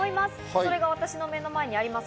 それが私の目の前にあります。